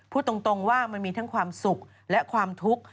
พูดตรงว่ามันมีทั้งความสุขและความทุกข์